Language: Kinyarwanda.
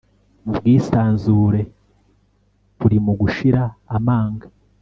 ubwisanzure buri mu gushira amanga